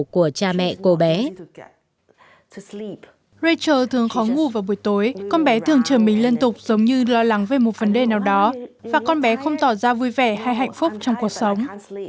các bé thường chờ mình lân tục giống như lo lắng về một vấn đề nào đó và con bé không tỏ ra vui vẻ hay hạnh phúc trong cuộc sống